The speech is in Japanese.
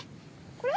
これ？